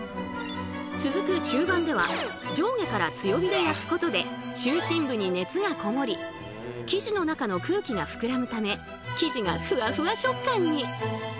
続く中盤では上下から強火で焼くことで中心部に熱がこもり生地の中の空気が膨らむため生地がふわふわ食感に！